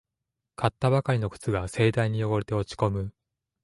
買ったばかりの靴が盛大に汚れて落ちこむ